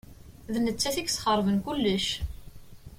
D nettat i yesxeṛben kullec.